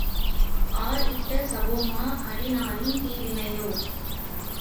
R இட்ட சாபமோ அடி நாளின் தீவினையோ?